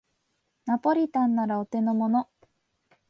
ナポリタンならお手のもの